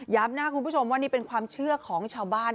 นะคุณผู้ชมว่านี่เป็นความเชื่อของชาวบ้าน